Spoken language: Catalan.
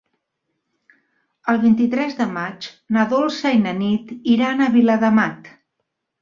El vint-i-tres de maig na Dolça i na Nit iran a Viladamat.